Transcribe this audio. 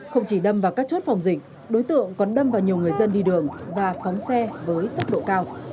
không chỉ đâm vào các chốt phòng dịch đối tượng còn đâm vào nhiều người dân đi đường và phóng xe với tốc độ cao